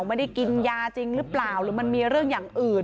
ไม่ได้กินยาจริงหรือเปล่าหรือมันมีเรื่องอย่างอื่น